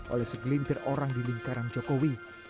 oleh segelintir orang di lingkaran jokowi